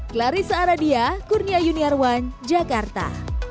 clarissa aradia kurnia uni arwan jakarta